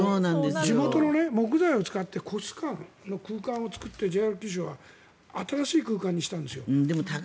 地元の木材を使って空間を作ってＪＲ紀州は新しい空間にしたんですよ。